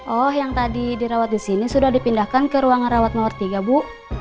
oh yang tadi dirawat disini sudah dipindahkan ke ruangan rawat no tiga bu